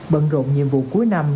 bận rộn nhiệm vụ cuối năm